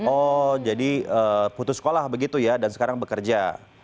oh jadi putus sekolah begitu ya dan sekarang bekerja